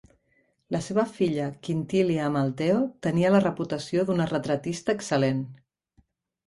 La seva filla Quintilia Amalteo tenia la reputació d'una retratista excel·lent.